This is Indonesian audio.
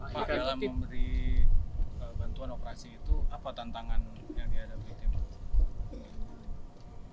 pak dalam memberi bantuan operasi itu apa tantangan yang dihadapi tim